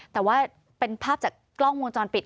แต่ว่าเป็นภาพจากกล้องวงจรปิด